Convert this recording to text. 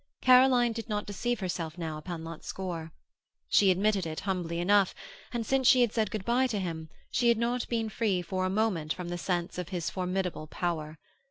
Caroline did not deceive herself now upon that score. She admitted it humbly enough, and since she had said good by to him she had not been free for a moment from the sense of his formidable power.